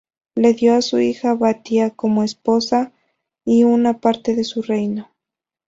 Le dio a su hija Batía como esposa y una parte de su reino.